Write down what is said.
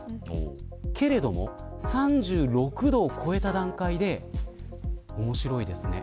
けれども、３６度を超えた段階で面白いですね。